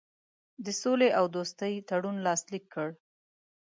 د سولي او دوستي تړون لاسلیک کړ.